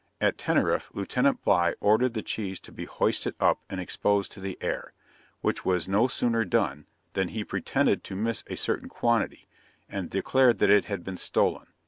At Teneriffe, Lieutenant Bligh ordered the cheese to be hoisted up and exposed to the air; which was no sooner done, than he pretended to miss a certain quantity, and declared that it had been stolen.